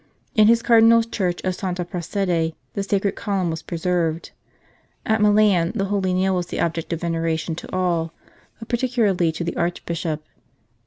In his Cardinal s church of Santa Prassede the Sacred Column was preserved. At Milan the Holy Nail was the object of venera tion to all, but particularly to the Archbishop.